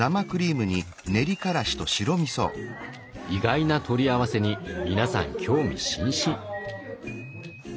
意外な取り合わせに皆さん興味津々。